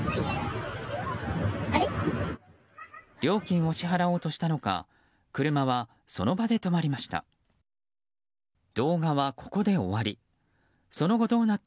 料金を支払おうとしたのか車はその場で止まりました。